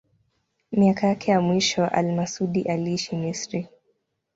Miaka yake ya mwisho al-Masudi aliishi Misri.